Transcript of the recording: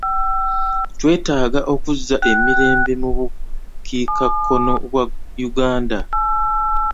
Twetaaga okuzza emirembe mu bukiikakkono bwa Uganda.